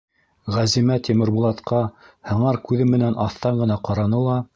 Ғәзимә Тимербулатҡа һыңар күҙе менән аҫтан ғына ҡараны ла: